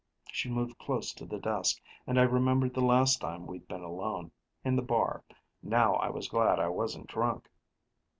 She moved close to the desk, and I remembered the last time we'd been alone, in the bar. Now I was glad I wasn't drunk.